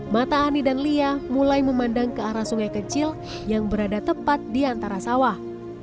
mata ani dan lia mulai memandang ke arah sungai kecil yang berada tepat di antara sawah